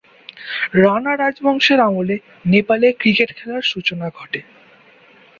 রাণা রাজবংশের আমলে নেপালে ক্রিকেট খেলার সূচনা ঘটে।